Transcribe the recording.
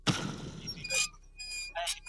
چمن مه خرابوئ.